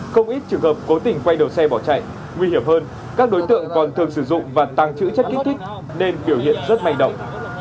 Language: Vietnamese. không ít trường hợp cố tình quay đầu xe bỏ chạy nguy hiểm hơn các đối tượng còn thường sử dụng và tàng trữ chất kích thích nên biểu hiện rất may động